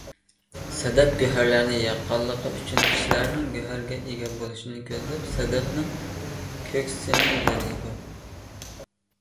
سەدەف گۆھەرلەرنى يىغقانلىقى ئۈچۈن، كىشىلەرنىڭ گۆھەرگە ئىگە بولۇشىنى كۆزلەپ سەدەفنىڭ كۆكسىىنى يارىدۇ.